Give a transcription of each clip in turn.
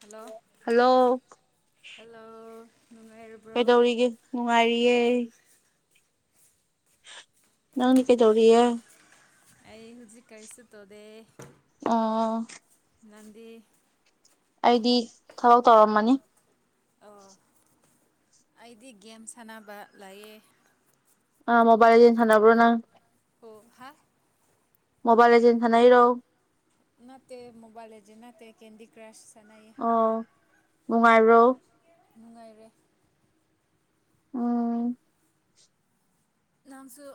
hello hello hello ꯅꯨꯡꯉꯥꯏꯔꯕ꯭ꯔꯣ ꯀꯩꯗꯧꯔꯤꯒꯦ ꯅꯨꯡꯉꯥꯏꯔꯤꯌꯦꯦ ꯅꯪꯅꯤ ꯀꯩꯖꯔꯔꯤꯌꯦ ꯑꯩ ꯍꯧꯖꯤꯛ ꯀꯔꯤꯁ ꯇꯗꯦ ꯑꯥ ꯅꯗꯤ ꯑꯩꯗꯤ ꯊꯕꯛ ꯇꯧꯔꯝꯃꯅꯤ ꯑꯣ ꯑꯩꯗꯤ ꯒꯦꯝ ꯁꯥꯟꯅꯕ ꯂꯌꯦ ꯑ ꯃꯣꯕꯥꯏꯜ ꯂꯤꯖꯦꯟ ꯁꯥꯟꯅꯕ꯭ꯔꯣ ꯅꯪ ꯑꯣ ꯍꯥ ꯃꯣꯕꯥꯏꯜ ꯂꯤꯖꯦꯟ ꯁꯥꯅꯩꯔꯣ ꯅꯠꯇꯦ ꯃꯣꯕꯥꯏꯜ ꯂꯤꯖꯦꯟ ꯅꯠꯇꯦ ꯀꯦꯟꯗꯤ ꯀ꯭ꯔꯁ ꯁꯟ ꯑꯣ ꯅꯨꯡꯉꯥꯏꯕ꯭ꯔꫭ ꯅꯨꯡꯉꯥꯏꯔꯦ ꯎꯝ ꯅꯥꯟꯁꯨ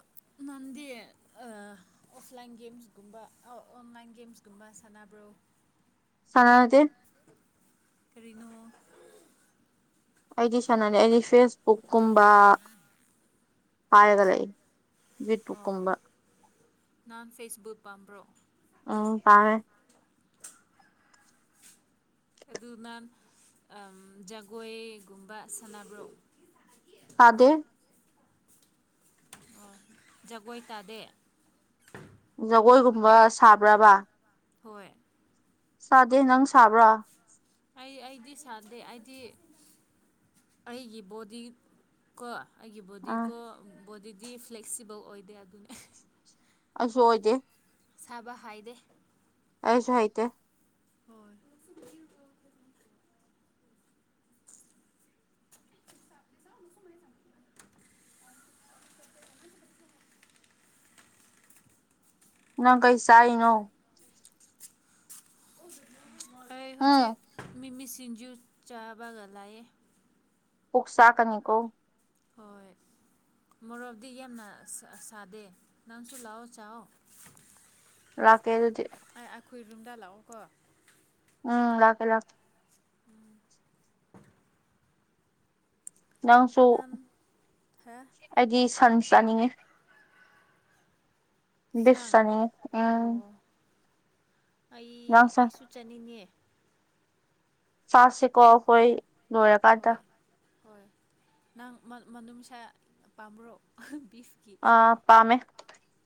ꯅꯟꯗꯤ ꯑ ꯑꯣꯐꯂꯥꯏꯟ ꯒꯦꯝꯁꯒꯨꯝꯕ ꯑꯩ ꯑꯣꯟꯂꯥꯏꯟ ꯒꯦ ꯒꯦꯝꯁꯀꯨꯝꯕ ꯁꯥꯟꯅꯕ꯭ꯔꯣ ꯁꯥꯅꯥꯗꯦ ꯀꯔꯤꯅꯣ ꯑꯩꯗꯤ ꯁꯥꯅꯥꯗꯦ ꯑꯩꯗꯤ ꯐꯦꯁꯕꯨꯛ ꯀꯨꯝꯕ ꯄꯥꯏꯔꯒ ꯂꯩ ꯑꯣ ꯌꯨꯇ꯭ꯌꯨꯕꯀꯨꯝꯕ ꯅꯥꯟ ꯐꯦꯁꯕꯨꯠ ꯄꯥꯝꯕ꯭ꯔꯣ ꯎꯝ ꯄꯥꯃꯦ ꯑꯗꯨ ꯅꯥꯟ ꯑꯝ ꯖꯒꯣꯏꯒꯨꯝꯕ ꯁꯥꯟꯅꯕ꯭ꯔꯣ ꯇꯥꯗ ꯑꯣ ꯖꯒꯣꯏ ꯇꯥꯗꯦ ꯖꯒꯣꯏꯒꯨꯝꯕ ꯁꯥꯕ꯭ꯔꯥꯕ ꯍꯣꯏ ꯁꯥꯗꯦ ꯅꯪ ꯁꯥꯕ꯭ꯔꯥ ꯑꯩ ꯑꯩꯗꯤ ꯁꯥꯗꯦ ꯑꯩꯗꯤ ꯑꯩꯒꯤ ꯕꯣꯗꯤ ꯀꯣ ꯑꯩꯒꯤ ꯑꯥ ꯕꯣꯗꯤꯀꯣ ꯕꯣꯗꯤꯗꯤ ꯐ꯭ꯂꯦꯛꯁꯤꯕꯜ ꯑꯣꯏꯗꯦ ꯑꯗꯨꯅꯦ [unintelligible] ꯑꯩꯁꯣ ꯑꯣꯏꯖꯡꯗꯦ ꯁꯥꯕ ꯍꯥꯏꯗꯦ ꯑꯩꯁꯨ ꯍꯩꯇꯦ ꯍꯣꯏ ꯅꯪ ꯀꯩ ꯆꯥꯏ ꯅꫭ ꯑꯩ ꯍꯨꯖꯤꯛ ꯎꯝ ꯃꯤꯃꯤ ꯁꯤꯡꯖꯨ ꯆꯥꯕꯒ ꯂꯥꯌꯦ ꯑꫭꯛ ꯆꯥꯛꯀꯅꯤ ꯀꯣ ꯍꯣꯏ ꯃꯣꯔꯣꯛꯗꯤ ꯌꯥꯝꯅ ꯁ-ꯁꯥꯗꯦ ꯅꯪꯁꯨ ꯂꯥꯑꯣ ꯆꯥꯋꫭ ꯂꯥꯛꯀꯦ ꯑꯗꯨꯗꯤ ꯈꯣꯏꯔꯨꯝꯗ ꯂꯥꯛꯑꯣꯀꯣ ꯎꯝ ꯂꯥꯛꯀꯦ ꯂꯥꯛꯀꯦ ꯅꯪꯁꯨ ꯅꯝ ꯍꯥ ꯑꯩꯗꯤ ꯁꯟ ꯆꯥꯅꯤꯡꯉꯤ ꯕꯤꯁ ꯁꯥꯡ ꯆꯥꯅꯤꯡꯉꯤ ꯎꯝ ꯑꯣ ꯑꯩ ꯅꯪ ꯁꯟ ꯑꯩꯁꯨ ꯆꯠꯅꯤꯡꯉꯦ ꯆꯥꯁꯤꯀꯣ ꯑꯈꫭꯏ ꯂꫭꯏꯔ ꯀꯥꯟꯗ ꯍꯣꯏ ꯍꯣꯏ ꯅꯪ ꯃ-ꯃꯅꯨꯡꯁꯥ ꯄꯥꯝꯕ꯭ꯔꯣ [unintelligible] ꯑ ꯄꯥꯃꯦ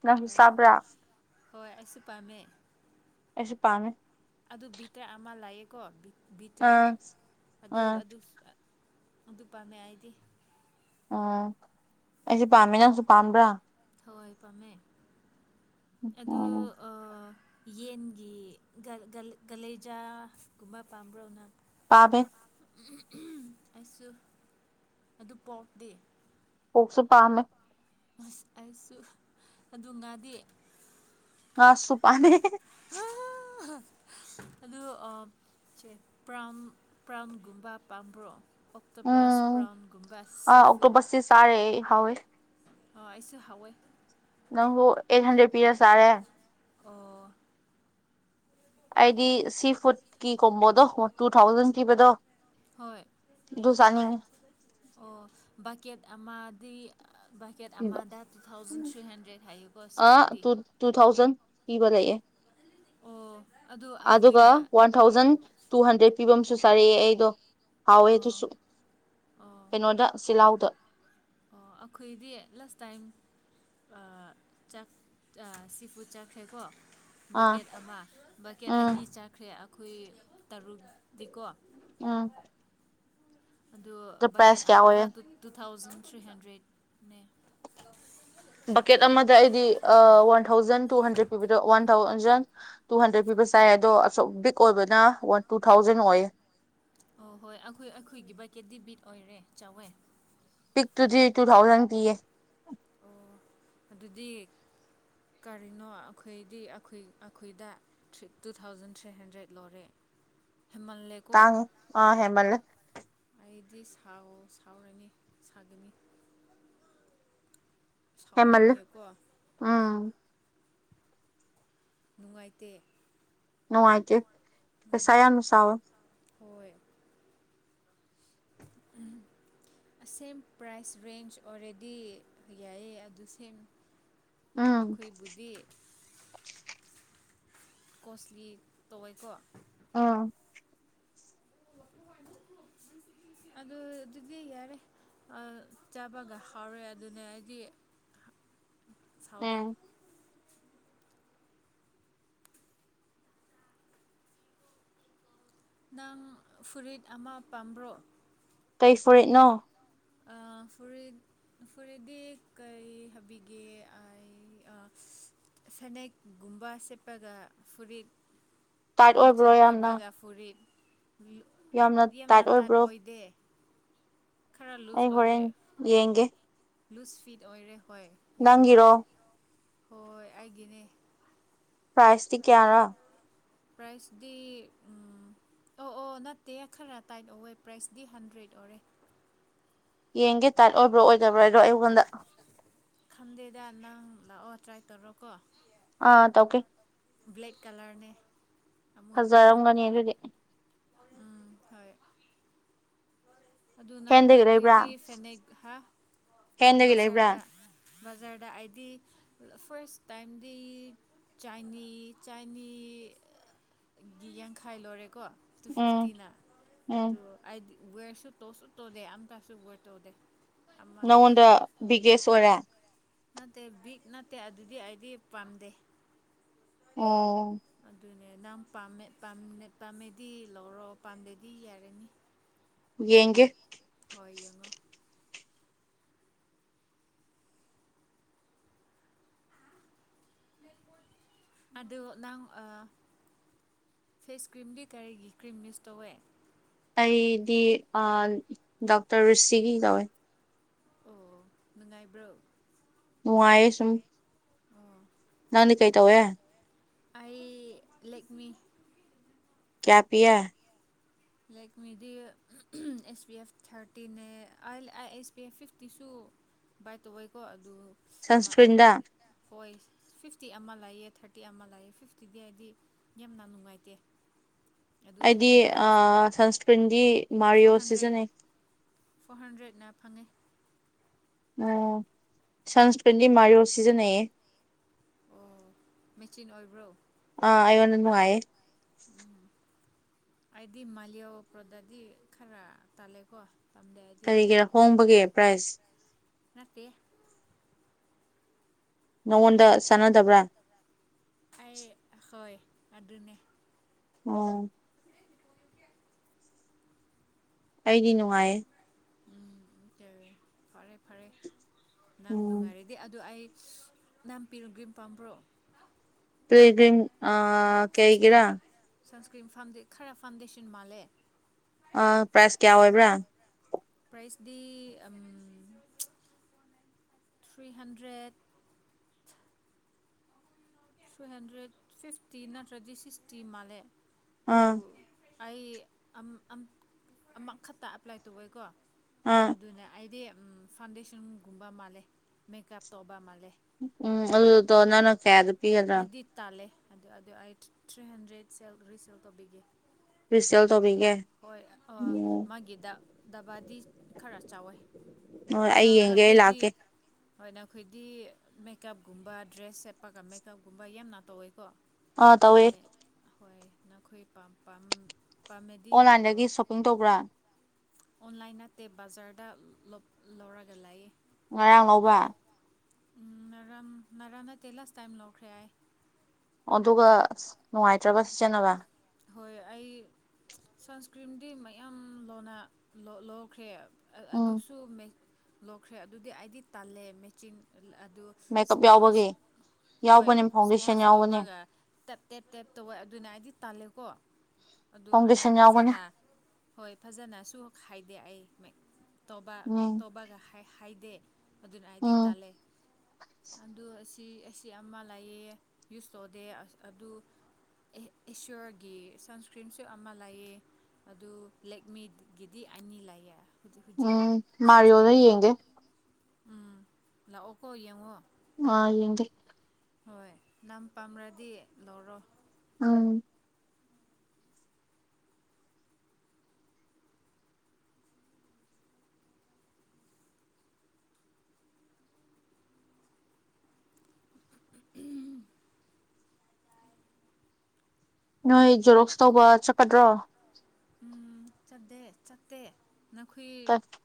ꯅꯪꯁꯨ ꯑꯥ, ꯆꯥꯕ꯭ꯔꯥ ꯍꯣꯏ ꯑꯩꯁꯨ ꯄꯥꯝꯃꯦ ꯁꯨ ꯄꯥꯃꯦ ꯑꯗꯨ ꯕꯤꯇ꯭ꯔ ꯑꯃ ꯂꯥꯑꯦꯀꯣ ꯕꯤ-ꯕꯤꯇ꯭ꯔ ꯑꯥ ꯑꯗꯨ ꯑꯥ ꯑꯗꯨ ꯁꯨ ꯑꯗꯨ ꯄꯥꯝꯃꯦ ꯑꯥꯏꯗꯤ ꯎꯝ ꯑꯩꯁꯨ ꯄꯥꯝꯃꯦ ꯅꯪꯁꯨ ꯄꯥꯝꯕ꯭ꯔꯥ ꯍꯣꯏ ꯄꯥꯝꯃꯦ ꯑꯦꯗꯨ ꯎꯝ ꯑ ꯌꯦꯟꯒꯤ ꯒꯜ-ꯒꯜ-ꯒꯜꯂꯦꯖꯥꯒꯨꯝꯕ ꯄꯥꯝꯕ꯭ꯔꯣꯅꯪ ꯄꯥꯕ ꯑꯩꯁꯨ ꯑꯗꯨ ꯄꯣꯔꯗꯦ ꯄꯨꯁꯨ ꯄꯥꯝꯃꯦ ꯑꯁ ꯑꯩꯁꯨ ꯑꯗꯨ ꯉꯗꯤ ꯉꯁꯨꯁꯨ ꯄꯅꯦ ꯑ ꯑ ꯁꯦ ꯄ꯭ꯔꯥꯝ ꯄ꯭ꯔꯥꯝꯒꯨꯝꯕ ꯄꯥꯝꯕ꯭ꯔꯣ ꯑꯣꯛꯇꯕꯥꯥꯁ ꯎꯝ ꯄ꯭ꯔꯥꯎꯟꯒꯨꯝꯕ ꯁꯤꯐꯠ ꯍꯥꯎꯣꯏꯦ ꯑ ꯑꯩꯁꯨ ꯍꯋꯥꯏ ꯅꯪꯕꯨ ꯑꯩꯠ ꯍꯟꯗ꯭ꯔꯦꯠ ꯄꯤꯔ ꯇꯥꯔꯦ ꯑꯣ ꯑꯩꯗꯤ ꯁꯤ ꯐꯨꯗꯀꯤ ꯀꯣꯝꯕꯣꯗꯣ ꯇꯨ ꯊꯥꯎꯖꯟ ꯄꯤꯈꯤꯕꯗꯣ ꯍꯣꯏ ꯑꯣ ꯕꯀꯦꯠ ꯑꯃꯗꯤ ꯕꯀꯦꯠ ꯑꯃꯗ ꯇꯨ ꯊꯥꯎꯖꯟ ꯊ꯭ꯔꯤ ꯍꯟꯗ꯭ꯔꯦꯗ ꯍꯥꯏꯌꯦꯀꯣ ꯑ ꯁꯤꯐꯨꯗꯤ ꯇꯨ ꯇꯨ ꯊꯥꯎꯖꯟ ꯄꯤꯕ ꯂꯩꯑꯦ ꯑꯣ ꯑꯗꯨ ꯑꯗꯨꯒ ꯑꯩꯈꯣꯏꯅ ꯋꯥꯟ ꯊꯥꯎꯖꯟ ꯇꯨ ꯍꯟꯗ꯭ꯔꯦꯠ ꯐꯤꯕꯝꯁꯨ ꯆꯥꯔꯛꯑꯦ ꯑꯩꯗꯣ ꯍꯥꯎꯋꯦ ꯑꯣ ꯑꯗꯨꯁꯨ ꯑꯣ ꯀꯩꯅꯣꯗ ꯁꯤꯜꯂꯥꯎꯗ ꯑꯣ ꯑꯩꯈꯣꯏꯗꯤ ꯂꯥꯁ ꯇꯥꯏꯝ ꯥꯛ ꯁꯤꯄ ꯆꯥꯈ꯭ꯔꯦꯀꯣ ꯑꯥ ꯕꯛꯀꯦꯠ ꯑꯃ ꯕꯛꯀꯦꯠ ꯎꯝ ꯑꯅꯤ ꯆꯥꯈ꯭ꯔꯦ ꯑꯩꯈꯣꯏ ꯇꯔꯨꯛꯇꯤꯀꯣ ꯑꯥ ꯑꯗꯨ ꯕꯛꯀꯦꯠ ꯑꯃꯗ ꯑꯣꯏꯌꯦ ꯇꯨ ꯊꯥꯎꯖꯟ ꯊ꯭ꯔꯤ ꯍꯟꯗ꯭ꯔꯦꯠꯅꯦ ꯕꯛꯀꯦꯠ ꯑꯃꯗ ꯑꯩꯗꯤ ꯋꯥꯟ ꯊꯥꯎꯖꯟ ꯇꯨ ꯍꯟꯗ꯭ꯔꯦꯠ ꯄꯤꯕꯤꯔꯣ ꯋꯥꯟ ꯊꯥꯎꯖꯟ ꯇꯨ ꯍꯟꯗ꯭ꯔꯦꯠ ꯄꯤꯕ ꯆꯥꯏ ꯑꯗꯣ ꯑ ꯕꯤꯛ ꯑꯣꯏꯕꯅ ꯋꯥꯟ ꯇꯨ ꯊꯥꯎꯖꯟ ꯑꯣꯏꯌꯦ ꯑꯣ ꯍꯣꯏ ꯑꯩꯈꯣꯏ ꯑꯩꯈꯣꯏꯒꯤ ꯕꯥꯀꯦꯗꯤꯕꯤꯠ ꯑꯣꯏꯔꯦ ꯆꯥꯎꯋꯦ ꯄꯤꯛ ꯇꯨꯗꯤ ꯇꯨ ꯊꯥꯎꯖꯟ ꯇꯤꯌꯦ ꯑꯣ ꯑꯗꯨꯗꯤ ꯀꯔꯤꯅꯣ ꯑꯩꯈꯣꯏꯗꯤ ꯑꯩꯈ ꯑꯩꯈꯣꯏꯗ ꯇꯨ ꯊꯥꯎꯖꯟ ꯊ꯭ꯔꯤ ꯍꯟꯗ꯭ꯔꯦꯗ ꯂꯣꯏꯔꯦ [unintelligible] ꯇꯥꯡ ꯑꯥ ꯍꯦꯃꯜ ꯁꯤ ꯁꯥꯎ ꯁꯥꯎꯔꯅꯤ ꯁꯥꯒꯅꯤ ꯍꯦꯃꯜ ꯁꯥꯎꯅꯤꯡꯉꯦꯀꯣ ꯎꯝ ꯅꯨꯡꯉꯥꯏꯇꯦ ꯅꯨꯡꯉꯥꯏꯇꯦ ꯁꯥꯏꯅ ꯁꯥꯕ ꯍꯣꯏ ꯎꯝ ꯁꯦꯝ ꯄ꯭ꯔꯥꯏꯁ ꯔꯦꯟꯖ ꯑꯣꯜꯔꯦꯗꯤ ꯌꯥꯏꯌꯦ ꯑꯗꯨ ꯁꯦꯝ ꯎꯝ ꯑꯈꯣꯏꯕꯨꯗꯤ ꯀꯣꯁꯂꯤ ꯇꯧꯋꯦꯀꯣ ꯑꯥ [unintelligible] ꯑꯗꯨ ꯑꯗꯨꯗꯤ ꯌꯥꯔꯦ ꯆꯥꯕꯒ ꯍꯥꯎꯔꯦ ꯑꯗꯨꯅꯦ ꯑꯩꯗꯤ ꯁꯥꯎꯗꯦ ꯎꯝ ꯅꯪ ꯐꯨꯔꯤꯠ ꯑꯃ ꯄꯥꯝꯕ꯭ꯔꯣ ꯀꯩ ꯐꯨꯔꯤꯠꯅꯣ ꯑ ꯐꯨ ꯐꯨꯔꯤꯗꯤ ꯀꯩ ꯍꯥꯏꯕꯤꯒꯦ ꯑꯩ ꯁꯦꯅꯦꯛꯒꯨꯝꯕ ꯁꯦꯠꯄꯒ ꯐꯨꯔꯤꯠ ꯇꯥꯏꯠ ꯃꯦꯆꯤꯟ ꯑꯣꯏꯕ꯭ꯔꯣ ꯌꯥꯝꯅ ꯑꯣꯏꯒꯥ ꯐꯨꯔꯤꯠ ꯌꯥꯝꯅ ꯇꯥꯏꯠ ꯑꯣꯏꯕ꯭ꯔꯣ ꯈꯔ ꯑꯩ ꯍꯣꯔꯦꯟ ꯌꯦꯡꯒꯦ ꯂꯨꯁ ꯐꯤꯠ ꯑꯣꯏꯔꯦ ꯍꯣꯏ ꯌꯦꯡꯉꯣ ꯅꯪꯒꯤꯔꯣ ꯍꯣꯏ ꯑꯩꯒꯤꯅꯦ ꯄ꯭ꯔꯥꯏꯁꯇꯤ ꯀꯌꯥꯔꯥ ꯄ꯭ꯔꯥꯏꯁꯗꯤ ꯎꯝ ꯑꯣ ꯑꯣ ꯅꯠꯇꯦ ꯈꯔ ꯇꯥꯏꯠ ꯑꯣꯏꯋꯦ ꯄ꯭ꯔꯥꯏꯖꯗꯤ ꯍꯟꯗ꯭ꯔꯦꯠ ꯑꯣꯏꯔꯦ ꯌꯦꯡꯒꯦ ꯇꯥꯏꯠ ꯑꯣꯏꯕ꯭ꯔꯣ ꯑꯣꯏꯗꯕ꯭ꯔꯗꯣ ꯑꯩꯉꯣꯟꯗ ꯈꯟꯗꯦꯗ ꯅꯪ ꯂꯥꯛꯑꯣ ꯇ꯭ꯔꯥꯏ ꯇꯧꯔꯣ ꯀꯣ ꯑꯥ ꯇꯧꯀꯦ ꯕ꯭ꯂꯦꯛ ꯀꯂꯔꯅꯦ ꯑꯃꯨꯕꯥꯅꯦ ꯐꯖꯔꯝꯒꯅꯤ ꯑꯗꯨꯗꯤ ꯑꯗꯨ ꯅ ꯍꯦꯟꯗꯒꯤ ꯂꯩꯕ꯭ꯔꯥ ꯅꯈꯣꯏꯗꯤ ꯐꯦꯅꯦꯛꯍ ꯍꯦꯟꯗꯒꯤ ꯂꯩꯕ꯭ꯔꯥ ꯕꯖꯥꯔꯗ ꯕꯖꯥꯔꯗ ꯑꯩꯗꯤ ꯐꯥꯔꯁ ꯇꯥꯏꯝꯗꯤ ꯆꯅꯤ ꯆꯅꯤ ꯒꯤ ꯌꯥꯡꯈꯥꯏ ꯂꯣꯏꯔꯦ ꯀꯣ ꯇꯨ ꯎꯝ ꯐꯤꯐꯇꯤꯅ ꯎꯝ ꯑꯗꯣ ꯑꯏꯗꯤ ꯋꯦꯔꯁꯨ ꯇꯧꯁꯨ ꯇꯧꯗꯦ ꯑꯝꯇꯁꯨ ꯋꯦꯔ ꯇꯧꯗꯦ ꯑꯃ ꯅꯉꯣꯟꯗ ꯕꯤꯒꯦꯁ ꯑꯣꯏꯔꯦ ꯅꯠꯇꯦ ꯕꯤꯛ ꯅꯠꯇꯦ ꯑꯗꯨꯗꯤ ꯑꯩꯗꯤ ꯄꯥꯝꯗꯦ ꯑꯣ ꯑꯗꯨꯅꯦ ꯅꯪ ꯄꯥꯝꯃꯦꯃꯦ ꯄꯥꯝꯃꯦꯗꯤ ꯂꯧꯔꯣ ꯄꯥꯝꯗꯦꯗꯤ ꯌꯥꯔꯅꯤ ꯌꯦꯡꯒꯦ ꯍꯣꯏ ꯌꯦꯡꯉꯣ ꯑꯗꯨ ꯅꯪ ꯑ ꯐꯦꯁ ꯀ꯭ꯔꯤꯝꯗꯤ ꯀꯔꯤꯒꯤ ꯀ꯭ꯔꯤꯝ ꯃꯤꯁ ꯇꯧꯋꯦ ꯑꯩꯗꯤ ꯗꯥꯛꯇꯔ ꯔꯨꯁꯤꯒꯤ ꯇꯧꯋꯦ ꯑꯣ ꯅꯨꯡꯉꯥꯏꯕ꯭ꯔꯣ ꯎꯉꯥꯏꯌꯦ ꯁꯨꯝ ꯑꯣ ꯅꯗꯤ ꯀꯩ ꯇꯧꯋꯦ ꯑꯩ ꯂꯦꯛꯃꯤ ꯀꯌꯥ ꯄꯤꯌꯦ ꯂꯥꯏꯛ ꯃꯦꯗꯤ ꯑꯦꯁ ꯄꯤ ꯑꯦꯐ ꯊꯥꯔꯇꯤꯅꯦ ꯑ ꯑꯦꯁ ꯄꯤ ꯑꯦꯐ ꯐꯤꯐꯇꯤꯁꯨ ꯚꯥꯏ ꯇꯧꯑꯣꯏꯀꯣ ꯑꯗꯨ ꯁꯟꯁꯀ꯭ꯔꯤꯟꯗ ꯍꯣꯏ ꯐꯤꯐꯇꯤ ꯑꯃ ꯂꯩꯑꯦ ꯊꯥꯔꯇꯤ ꯑꯃ ꯂꯩꯑꯦ ꯐꯤꯐꯇꯤꯗꯤ ꯍꯥꯏꯗꯤ ꯌꯥꯝꯅ ꯅꯨꯡꯉꯥꯏꯇꯦ ꯑꯗꯨ ꯊꯥꯔꯇꯤ ꯅꯥ ꯌꯨꯁ ꯇꯧꯋꯦ ꯁꯟꯁꯀ꯭ꯔꯤꯟꯒꯤ ꯐꯣꯔ ꯃꯥꯔꯤꯌꯣ ꯍꯟꯗ꯭ꯔꯦꯠ ꯁꯤꯖꯤꯟꯅꯩ ꯐꯣꯔ ꯍꯟꯗ꯭ꯔꯦꯠꯅ ꯐꯪꯉꯦ ꯑꯣ ꯁꯟꯁꯀ꯭ꯔꯤꯟꯗꯤ ꯃꯌꯣ ꯁꯤꯖꯤꯟꯅꯩꯌꯦ ꯆꯤꯟ ꯑꯣꯏꯕ꯭ꯔꯣ ꯑꯥ ꯑꯩꯣꯟꯅꯅꯨꯡ ꯍꯥꯏꯑ ꯑꯩꯗꯤ ꯃꯥ ꯄ꯭ꯔꯣꯗꯗꯤ ꯈꯔ ꯇꯥꯜꯂꯦꯀꯣ ꯀꯔꯤꯒꯤꯔꯥ ꯍꯣꯡꯕꯒꯦ ꯄ꯭ꯔꯥꯏꯁ ꯅꯠꯇꯦ ꯅꯉꯣꯟꯗ ꯆꯥꯟꯅꯗꯕ꯭ꯔꯥ ꯑꯩ ꯍꯣꯏ ꯑꯗꯨꯅꯦ ꯑꯣꯝ ꯑꯩꯗꯤ ꯅꯨꯡꯉꯥꯏꯌꯦ ꯎꯝ ꯎ ꯐꯔꯦ ꯐꯔꯦ ꯅꯪ ꯎꯝ ꯅꯨꯡꯉꯥꯏꯔꯗꯤ ꯑꯗꯨ ꯑꯩ ꯅꯥꯝꯄꯤꯔꯨꯒ꯭ ꯄꯥꯝꯕ꯭ꯔꯣ ꯀꯔꯤ ꯑ ꯀꯩ ꯁꯟꯁꯀ꯭ꯔꯤꯟ ꯀꯔꯥ ꯁꯟꯁꯀ꯭ꯔꯤꯟ ꯐꯗ ꯈꯔ ꯐꯥꯎꯟꯗꯦꯁꯟ ꯃꯥꯜꯂꯦ ꯑꯥ ꯄ꯭ꯔꯥꯏꯁ ꯀꯌꯥ ꯑꯣꯏꯕ꯭ꯔꯥ ꯄ꯭ꯔꯥꯏꯁꯗꯤ ꯎ three hundred two hundred fifty ꯅꯠꯇ꯭ꯔꯗꯤ ꯁꯤꯛꯁꯇꯤ ꯃꯥꯜꯂꯦ ꯑꯗꯨ ꯑꯥ ꯑꯩ ꯑꯃꯈꯛꯇ ꯑꯦꯄ꯭ꯂꯥꯏ ꯇꯧꯑꯣꯦꯀꯣ ꯑꯥ ꯑꯗꯨꯅ ꯑꯩꯗꯤ ꯐꯥꯎꯟꯗꯦꯁꯟꯒꯨꯝꯕ ꯃꯥꯜꯂꯦ ꯃꯦꯀꯞ ꯇꯧꯕ ꯃꯥꯜꯂꯦ ꯎꯝ ꯑꯗꯨꯅꯦ ꯑꯗꯨꯗ ꯑꯣꯅꯥꯅ ꯀꯗ ꯄ ꯑꯩꯗꯤ ꯇꯥꯜꯂꯦ ꯑꯗꯨ ꯑꯗꯨ ꯑꯩ ꯊ꯭ꯔꯤ ꯍꯟꯗ꯭ꯔꯦꯗ ꯁꯦꯜ ꯔꯤꯁꯦꯜ ꯇꯧꯕꯤꯒꯦ ꯐꯔꯤꯁꯦꯜ ꯊ ꯃꯤꯒꯦ ꯍꯣꯏ ꯎꯝ ꯃꯥꯒꯤ ꯗꯕꯥꯗꯤ ꯈꯔ ꯆꯥꯎꯋꯦ ꯑꯣ ꯑꯩ ꯌꯦꯡꯒꯦ ꯏ ꯂꯥꯛꯀꯦ ꯍꯣꯏꯅ ꯑꯩꯈꯣꯏꯗꯤ ꯃꯦꯀꯞꯀꯨꯝꯕ ꯗ꯭ꯔꯦꯁ ꯁꯦꯠꯄꯒ ꯃꯦꯀꯞꯀꯨꯝꯕ ꯌꯥꯝꯅ ꯇꯧꯋꯦꯀꯣ ꯑꯥ ꯇꯧꯋꯦ ꯑꯗꯨꯅꯦ ꯍꯣꯏ ꯅꯈꯣꯏꯥꯝ ꯑꯣꯟꯂꯥꯏꯟꯗꯒꯤ ꯁꯣꯞꯄꯤꯡ ꯇꯧꯕ꯭ꯔꯥ ꯑꯣꯟꯂꯥꯏꯟ ꯅꯠꯇꯦ ꯕꯖꯥꯔꯗ ꯂꯧꯔꯒ ꯂꯥꯛꯏ ꯉꯔꯥꯡ ꯉꯧꯕ ꯎꯝ ꯅꯔꯝ ꯅꯔꯅ ꯇꯦꯂꯥꯁ ꯇꯥꯏꯝ ꯂꯧꯈ꯭ꯔꯦꯥꯏ ꯑꯗꯨꯒ ꯅꯨꯡꯉꯥꯏꯇ꯭ꯔꯕ ꯁꯤꯖꯤꯟꯅꯕ ꯍꯣꯏ ꯑꯩ ꯁꯟꯁꯀ꯭ꯔꯤꯟꯗꯤ ꯃꯌꯥꯝ ꯂꯣꯟꯅ ꯂꯧꯈ꯭ꯔꯦ ꯎꯝ ꯑꯗꯨꯁꯨ ꯂꯣꯛꯈ꯭ꯔꯦ ꯑꯗꯨꯗꯤ ꯑꯩꯗꯤ ꯇꯜꯂꯦ ꯃꯦꯆꯤꯟ ꯑꯗꯣ ꯃꯦꯀꯞ ꯏꯁꯄꯣꯟꯁ ꯌꯥꯎꯕꯒꯤ ꯍꯣꯏ ꯌꯥꯎꯕꯅꯦ ꯐꯥꯎꯟꯗꯦꯁꯟ ꯏꯁꯄꯣꯟꯁ ꯌꯥꯎꯕꯅꯦ ꯂꯧꯕꯒ ꯇꯞ ꯇꯦꯞ ꯇꯞ ꯇꯋ ꯑꯗꯨꯅ ꯑꯩꯗꯤ ꯇꯥꯂꯦ ꯀꯣ ꯑꯗꯨ ꯑꯗꯨꯗꯤ ꯐꯥꯎꯟꯗꯦꯁꯟ ꯌꯥꯎꯕꯅꯦ ꯐꯖꯅ ꯍꯣꯏ ꯐꯖꯅꯁꯨ ꯍꯥꯏꯗꯦ ꯑꯩ ꯎꯝ ꯇꯧꯕꯒ ꯍꯥꯏꯗꯦ ꯑꯗꯨꯅ ꯍꯥꯏꯗꯤ ꯎꯝ ꯇꯥꯜꯂꯦ ꯑ ꯁꯤ ꯑꯁꯤ ꯑꯃ ꯂꯩꯌꯦ ꯌꯨꯁ ꯇꯧꯗꯦ ꯑ ꯑꯗꯨ ꯏꯁꯣꯔ ꯒꯤ ꯁꯟꯁ꯭ꯀ꯭ꯔꯤꯟꯁꯨ ꯑꯃ ꯂꯑ ꯑꯗꯨ ꯂꯦꯛꯃꯤꯒꯤꯗꯤ ꯑꯅꯤ ꯂꯩꯑ ꯎꯝ ꯃꯥꯔꯤꯑꯣꯅ ꯌꯦꯡꯒꯦ ꯎꯝ ꯂ ꯑꯣꯀꯣ ꯌꯦꯡꯉꯣ ꯑ ꯌꯦꯗꯤ ꯍꯣꯏ ꯅꯝ ꯄꯥꯝꯔꯗꯤ ꯂꯧꯔꯣ ꯎꯝ ꯎꯝ ꯅꯣꯏ ꯖꯣꯔꯣꯛꯁ ꯇꯧꯕ ꯆꯠꯀꯗ꯭ꯔꯣ ꯎ ꯆꯠꯇꯦ ꯆꯠꯇꯦ ꯅꯈꯣꯏ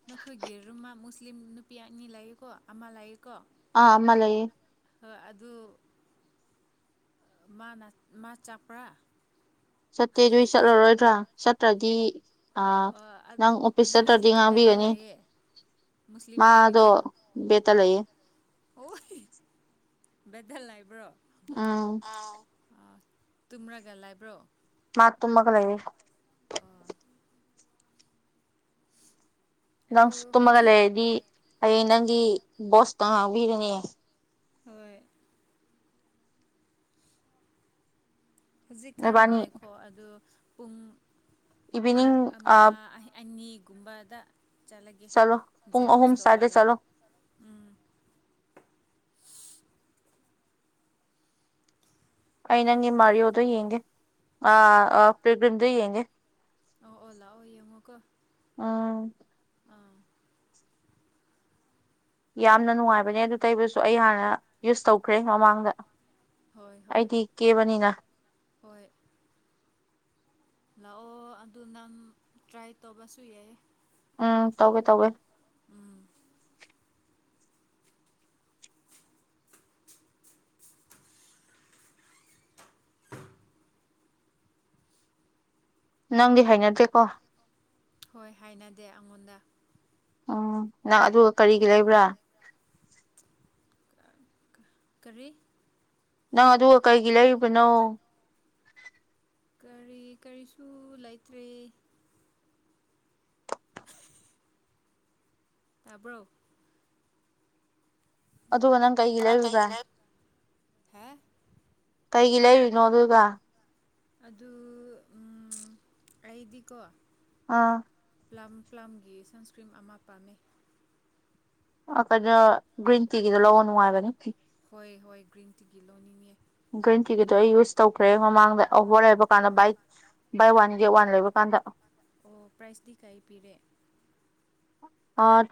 ꯅꯈꯣꯏꯒꯤ ꯔꯨꯝꯃꯨꯁ ꯃꯨꯁꯂꯤꯝ ꯅꯨꯄꯤ ꯑꯅꯤ ꯂꯥꯛꯌꯦꯀꯣ ꯑꯃ ꯂꯥꯛꯌꯦꯀꯣ ꯑꯥꯃ ꯂꯩꯦ ꯍꯣꯏ ꯑꯗꯨ ꯃꯥꯅ ꯃꯥ ꯆꯥꯛꯄ꯭ꯔꯥ ꯆꯠꯇꯦ ꯑꯗꯨꯏ ꯆꯠꯂꯔꯣꯏꯗ꯭ꯔꯥ ꯆꯠꯇ꯭ꯔꯗꯤ ꯑꯥ ꯑꯣ ꯅꯪ ꯑꯣꯐꯤꯁ ꯑꯗꯨ ꯆꯠꯇ꯭ꯔꯗꯤ ꯍꯧꯖꯤꯛ ꯀꯗꯥꯏꯗ ꯉꯥꯡꯕꯤꯒꯅꯤ ꯂꯩꯌꯦ ꯃꯨꯁꯂꯤꯝ ꯃꯥꯗꯣ ꯅꯨꯄꯤꯗ ꯕꯦꯠꯇ ꯍꯣꯏ ꯂꯩꯌꯦ ꯍꯣꯏ ꯕꯗꯜꯅ ꯏꯕ꯭ꯔꯣ ꯑꯥ ꯑ ꯇꯨꯝ꯭ꯔꯒ ꯂꯥꯏꯕ꯭ꯔꯣ ꯃꯥ ꯇꯨꯃ ꯀꯂꯦ ꯑꯣ ꯑꯗꯨ ꯅꯪꯁꯨ ꯇꯨꯝꯃꯒ ꯍꯧꯖꯤꯛ ꯂꯩꯔꯗꯤ ꯍꯌꯦꯡ ꯅꯪꯒꯤ ꯕꯣꯁꯇ ꯉꯥꯡꯕꯤꯔꯅꯦ ꯍꯣꯏ ꯍꯧꯖꯤꯛ ꯅꯣꯏꯕꯥꯅꯤ ꯈꯔꯅꯈꯣ ꯑꯗꯨ ꯄꯨꯡ ꯄꯨꯡ ꯏꯚꯤꯅꯤꯡ ꯑꯥ ꯑꯃ ꯑꯅꯤꯒꯨꯝꯕꯗ ꯆꯠꯒꯦ ꯆꯠꯂꯣ ꯄꯨꯡ ꯑꯍꯨꯝ ꯖꯦꯔꯣꯛꯁ ꯁ꯭ꯋꯥꯏꯗ ꯇꯕꯥꯥ ꯆꯠꯂꯣ ꯎꯝ ꯑꯩ ꯅꯪ ꯃꯔꯤꯣꯗ ꯌꯦꯡꯦ ꯑ ꯄꯒ꯭ꯔꯤꯝꯗ ꯌꯦꯡꯒ ꯑꯣ ꯑꯣꯂ ꯑꯣꯏꯌꯦꯃꯨꯀ ꯎꯝ ꯑꯥ ꯌꯥꯝꯅ ꯅꯨꯡꯉꯥꯏꯕꯅꯦ ꯑꯗꯨ ꯇꯩꯕꯁꯨ ꯑꯩ ꯍꯥꯟꯅ ꯌꯨꯁ ꯇꯧꯈ꯭ꯔꯦ ꯃꯃꯥꯡꯗ ꯍꯣꯏ ꯍꯣꯏ ꯑꯩꯗꯤ ꯀꯦꯕꯅꯤꯅ ꯍꯣꯏ ꯂꯥꯛꯑꯣ ꯑꯗꯨ ꯅꯪ ꯇ꯭ꯔꯥꯏ ꯇꯧꯕꯁꯨ ꯌꯥꯏ ꯎꯝ ꯇꯧꯒꯦ ꯇꯧꯋꯦ ꯎꯝ ꯅꯪꯗꯤ ꯍꯥꯏꯅꯗꯦꯀꯣ ꯍꯣꯏ ꯍꯥꯏꯅꯗꯦ ꯑꯩꯉꯣꯟꯗ ꯎꯝ ꯅꯪ ꯑꯗꯨꯒ ꯀꯔꯤꯒꯤ ꯂꯩꯕ꯭ꯔꯥ ꯀꯔꯤ ꯅꯪ ꯑꯗꯨꯒ ꯀꯔꯤꯒꯤ ꯂꯩꯔꯤꯕꯅꯣ ꯀꯔꯤ ꯀꯔꯤꯁꯨ ꯂꯩꯇ꯭ꯔꯔꯤ ꯇꯥꯕꯣ ꯑꯗꯨꯒ ꯅꯪ ꯀꯩꯒꯤ ꯂꯩꯔꯤꯕ꯭ꯔꯥ ꯍꯦ ꯀꯩꯒꯤ ꯂꯩꯔꯤꯅꯣ ꯑꯗꯨꯒꯒ ꯑꯗꯨ ꯎꯝ ꯑꯩꯗꯤꯀꯣ ꯑꯥ ꯄꯂꯝꯝ ꯄꯂꯝꯒꯤ ꯁꯟꯁꯀ꯭ꯔꯤꯝ ꯑꯃ ꯄꯥꯝꯃꯤ ꯀꯩꯅꯣ ꯒ꯭ꯔꯤꯟ ꯇꯤꯒꯤꯗꯣ ꯂꯧꯕ ꯅꯨꯡꯉꯥꯏꯕꯅꯦ ꯍꯣꯏ ꯍꯣꯏ ꯒ꯭ꯔꯤꯟ ꯇꯤꯒꯤ ꯂꯣꯟꯅꯤꯡꯉꯦ ꯒ꯭ꯔꯤꯟ ꯇꯤꯒꯤꯗꯣ ꯑꯩ ꯌꯨꯁ ꯇꯧꯈ꯭ꯔꯦ ꯃꯃꯥꯡꯗ ꯑꯣꯚꯔ ꯍꯥꯏꯕ ꯀꯥꯟꯗ ꯕꯥꯏ ꯕꯥꯏ ꯋꯥꯟ ꯒꯦ ꯋꯥꯟ ꯂꯩꯕ ꯀꯥꯟꯗ ꯀꯗ ꯑꯣ ꯄ꯭ꯔꯥꯏꯖꯇꯤ ꯀꯔꯤ ꯄꯤꯔꯦ ꯑ